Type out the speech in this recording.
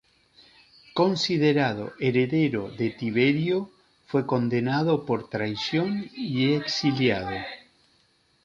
Considerado heredero de Tiberio, fue condenado por traición y exiliado.